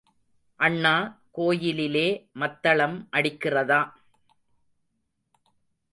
அண்ணா, கோயிலிலே மத்தளம் அடிக்கிறதா?